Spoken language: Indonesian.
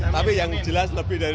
tapi yang jelas lebih dari enam belas